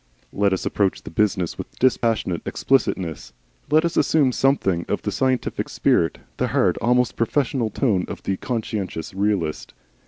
Let us approach the business with dispassionate explicitness. Let us assume something of the scientific spirit, the hard, almost professorial tone of the conscientious realist.